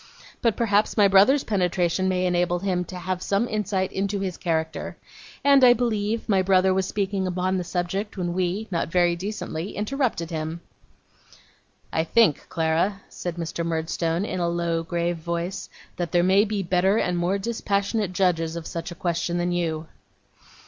But perhaps my brother's penetration may enable him to have some insight into his character. And I believe my brother was speaking on the subject when we not very decently interrupted him.' 'I think, Clara,' said Mr. Murdstone, in a low grave voice, 'that there may be better and more dispassionate judges of such a question than you.